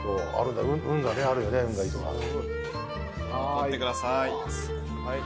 取ってください。